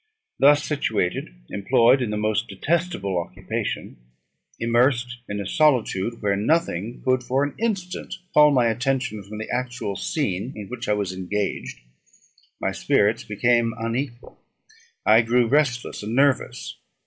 Thus situated, employed in the most detestable occupation, immersed in a solitude where nothing could for an instant call my attention from the actual scene in which I was engaged, my spirits became unequal; I grew restless and nervous.